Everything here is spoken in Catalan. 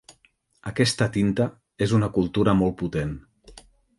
Aquesta tinta és una cultura molt potent.